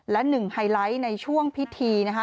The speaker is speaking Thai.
และหนึ่งไฮไลท์ในช่วงพิธีนะคะ